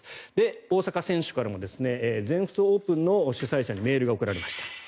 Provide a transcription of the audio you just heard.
大坂選手からも全仏オープンの主催者にメールが送られました。